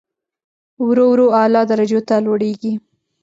ورو ورو اعلی درجو ته لوړېږي.